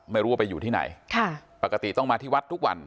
ไม่รู้ว่าไปอยู่ที่ไหนค่ะปกติต้องมาที่วัดทุกวัน